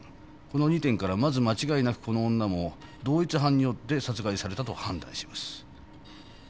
その２点からまず間違いなくこの女も同一犯によって殺害されたと判断します。